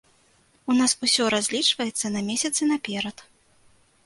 У нас усё разлічваецца на месяцы наперад.